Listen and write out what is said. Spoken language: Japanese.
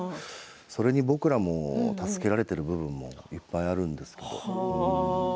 それに僕も助けられている部分もいっぱいあるんですけど。